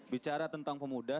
bicara tentang pemuda